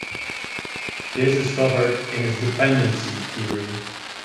This is covered in his dependency theory.